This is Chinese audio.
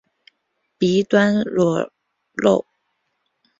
鼻端裸露。